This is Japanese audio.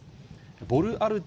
ボルアルテ